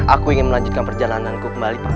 aku ingin melanjutkan perjalananku kembali